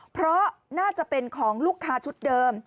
เพราะน่าจะเป็นของลูกค้าชุดเดิม